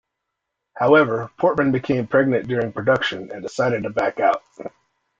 However, Portman became pregnant during production, and decided to back out.